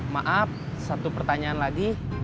maaf satu pertanyaan lagi